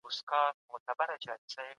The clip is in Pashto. د وریښتانو غوړل د وچ سر لپاره ګټور وي.